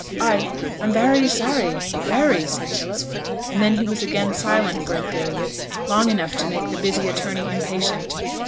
'I am very sorry very!' said Philip; and then he was again silent for a period; long enough to make the busy attorney impatient.